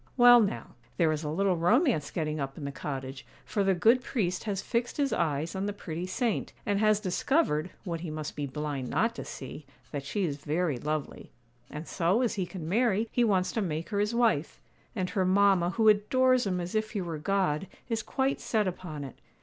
'Well, now, there is a little romance getting up in the cottage; for the good priest has fixed his eyes on the pretty saint, and has discovered, what he must be blind not to see, that she is very lovely. And so, as he can marry, he wants to make her his wife; and her mamma, who adores him as if he were God, is quite set upon it.